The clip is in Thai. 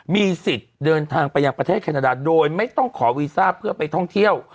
มีสิทธิ์เดินทางไปยังประเทศแคนาดาโดยไม่ต้องขอวีซ่าเพื่อไปท่องเที่ยว